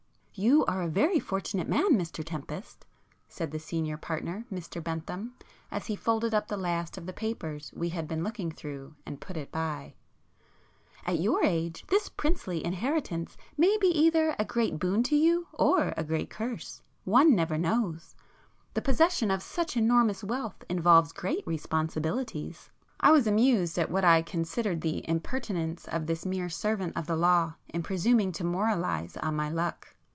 "You are a very fortunate man Mr Tempest;"—said the [p 47] senior partner Mr Bentham, as he folded up the last of the papers we had been looking through and put it by—"At your age this princely inheritance may be either a great boon to you or a great curse,—one never knows. The possession of such enormous wealth involves great responsibilities." I was amused at what I considered the impertinence of this mere servant of the law in presuming to moralize on my luck.